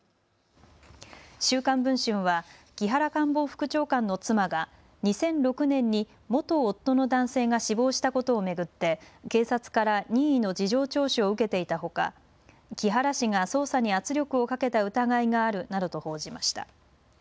週刊文春は木原官房副長官の妻が２００６年に元夫の男性が死亡したことを巡って警察から任意の事情聴取を受けていたほか、木原氏が捜査に圧力をかけた疑いがあるなどと報じました。